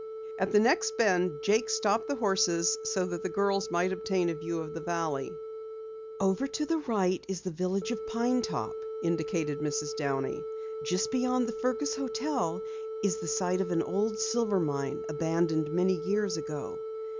At the next bend Jake stopped the horses so that the girls might obtain a view of the valley. "Over to the right is the village of Pine Top," indicated Mrs. Downey. "Just beyond the Fergus hotel is the site of an old silver mine, abandoned many years ago.